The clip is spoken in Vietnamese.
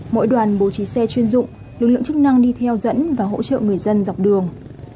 mỗi đoàn bố trí xe chuyên dụng lực lượng chức năng đi theo dẫn và hỗ trợ người dân dọc đường